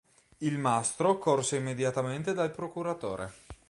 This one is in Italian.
Il mastro corse immediatamente dal procuratore.